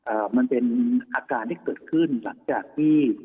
มันเป็นอาการที่เกิดขึ้นหลังจากที่